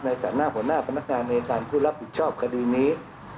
ในการหน้าผลหน้าพนักงานเนยการผู้รับผิดชอบกดีนี้